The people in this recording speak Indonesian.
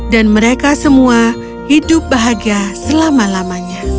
dan mereka semua hidup bahagia selama lamanya